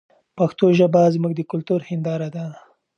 پښتو ژبه زموږ د کلتور هنداره ده.